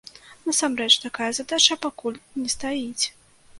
Насамрэч такая задача пакуль не стаіць.